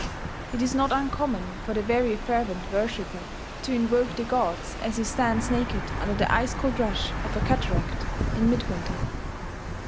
It is not uncommon for the very fervent worshipper to invoke the gods as he stands naked under the ice cold rush of a cataract in midwinter